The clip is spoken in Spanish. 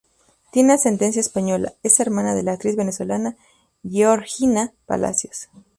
Tiene ascendencia española Es hermana de la actriz venezolana Georgina Palacios.